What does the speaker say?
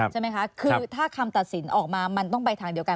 ใช่ไหมคะคือถ้าคำตัดสินออกมามันต้องไปทางเดียวกัน